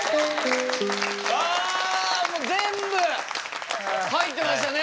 あもう全部入ってましたね！